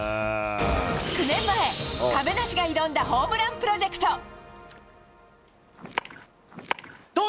９年前、亀梨が挑んだホームランプロジェクト。